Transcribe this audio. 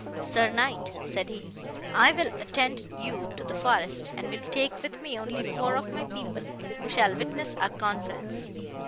"'Sir knight,' said he, 'I will attend you to the forest, and will take with me only four of my people, who shall witness our conference.